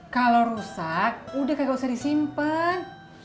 kalau rusak udah kayak gak usah disimpan